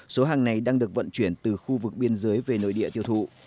số hàng này đang được vận chuyển từ khu vực biên giới về nội địa tiêu thụ